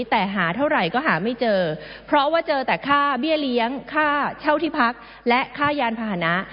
แต่หาเท่าไหร่ก็หาไม่เจอเพราะว่าเจอแต่ค่าเบี้ยเลี้ยงค่าเช่าที่พักและค่ายานพาหนะ